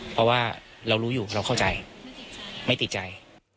เพราะว่าเรารู้อยู่เราเข้าใจไม่ติดใจ